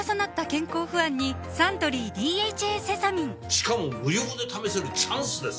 しかも無料で試せるチャンスですよ